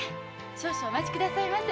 少々お待ち下さいませ。